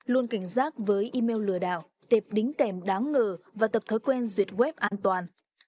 luôn cảnh giác với email lừa đảo tệp đính kèm đáng ngờ và tập thói quen duyệt web an toàn